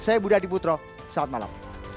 saya budi hadi putro selamat malam